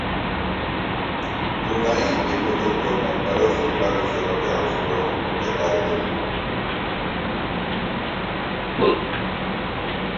Brunei এপর্যন্ত একবারও FIFA বিশ্বকাপে অংশগ্রহণ করতে পারেনি।